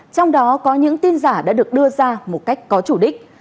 trong đó có những tin giả đã được đưa ra một cách có chủ đích